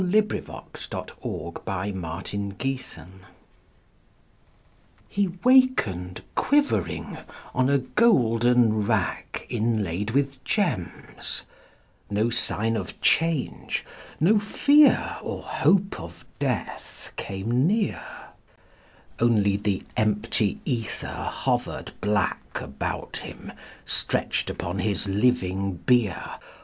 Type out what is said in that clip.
And death draws nigh. INSOMNIA 91 INSOMNIA He wakened quivering on a golden rack Inlaid with gems: no sign of change, no fear Or hope of death came near; Only the empty ether hovered black About him stretched upon his living bier.